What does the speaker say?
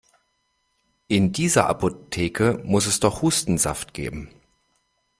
In dieser Apotheke muss es doch Hustensaft geben!